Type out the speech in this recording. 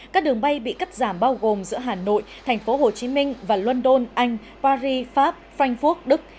các đường bay bị cắt giảm bao gồm giữa hà nội thành phố hồ chí minh và london anh paris pháp frankfurt đức